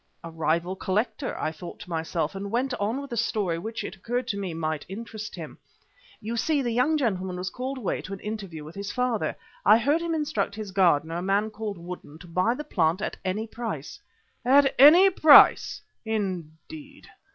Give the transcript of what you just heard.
"A rival collector," I thought to myself, and went on with the story which, it occurred to me, might interest him. "You see, the young gentleman was called away to an interview with his father. I heard him instruct his gardener, a man named Woodden, to buy the plant at any price." "At any price! Indeed.